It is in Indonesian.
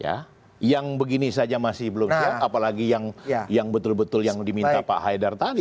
ya yang begini saja masih belum siap apalagi yang betul betul yang diminta pak haidar tadi